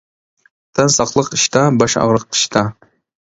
تەن ساقلىق ئىشتا، باش ئاغرىق قىشتا.